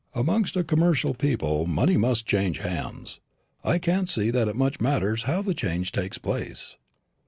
Amongst a commercial people money must change hands. I can't see that it much matters how the change takes place."